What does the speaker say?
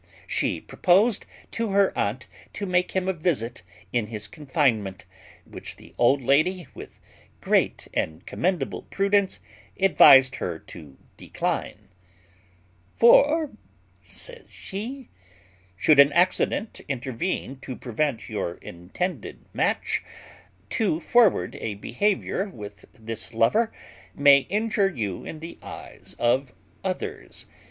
She proposed to her aunt to make him a visit in his confinement, which the old lady, with great and commendable prudence, advised her to decline: "For," says she, "should any accident intervene to prevent your intended match, too forward a behaviour with this lover may injure you in the eyes of others.